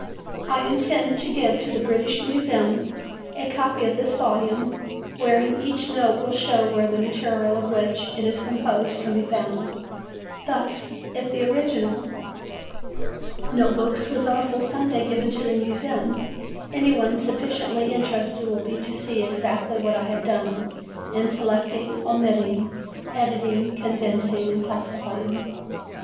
I intend to give to the British Museum a copy of this volume wherein each note will show where the material of which it is composed can be found; thus, if the original Note Books are also some day given to the Museum, any one sufficiently interested will be able to see exactly what I have done in selecting, omitting, editing, condensing and classifying.